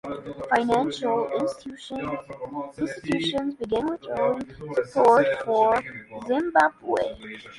Financial institutions began withdrawing support for Zimbabwe.